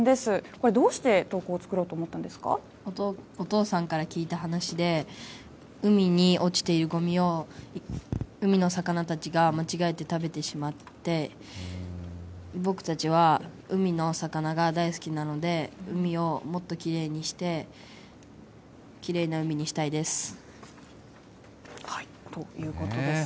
これどうして投稿を作ろうと思っお父さんから聞いた話で、海に落ちているごみを、海の魚たちが間違えて食べてしまって、僕たちは海の魚が大好きなので、海をもっときれいにして、ということです。